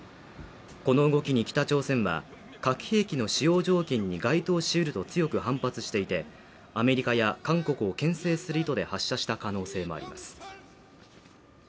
この動きに北朝鮮は核兵器の使用条件に該当しうると強く反発していて、アメリカや韓国を牽制する意図で発射した可能性もあります。